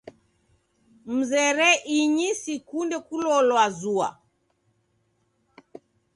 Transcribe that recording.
Mzere inyi sikunde kulolwa zua.